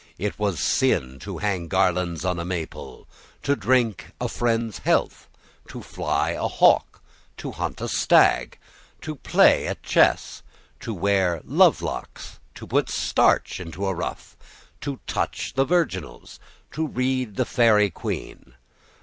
It was a sin to hang garlands on a Maypole, to drink a friend's health, to fly a hawk, to hunt a stag, to play at chess, to wear love locks, to put starch into a ruff, to touch the virginals, to read the Fairy Queen.